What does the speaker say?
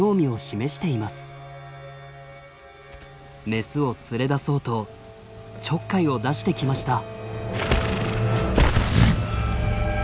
メスを連れ出そうとちょっかいを出してきました。